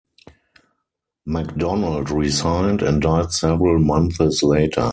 Macdonald resigned, and died several months later.